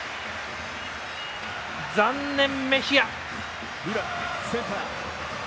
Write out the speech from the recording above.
残念、メヒア。